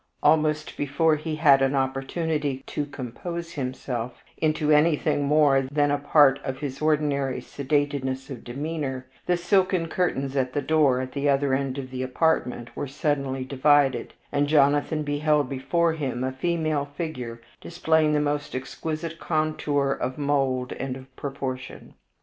Almost before he had an opportunity to compose himself into anything more than a part of his ordinary sedateness of demeanor, the silken curtains at the doorway at the other end of the apartment were suddenly divided, and Jonathan beheld before him a female figure displaying the most exquisite contour of mold and of proportion.